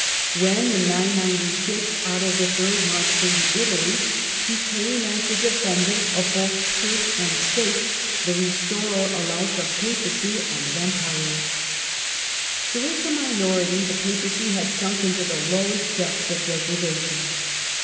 When, in 996, Otto III. First marched into Italy, he came as the defender of both ^^J^on,^ Church and State, the restorer alike of Papacy and of ^^^ Empire. During the minority the Papacy had sunk into the lowest depths of degradation.